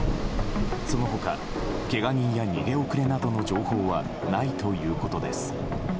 その他、けが人や逃げ遅れなどの情報はないということです。